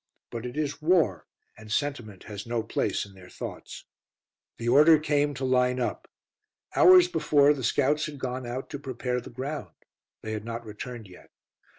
But it is war, and sentiment has no place in their thoughts. The order came to line up. Hours before the scouts had gone out to prepare the ground. They had not returned yet.